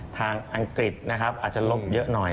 ทางอังกฤษอาจจะลบเยอะหน่อย๐๒๑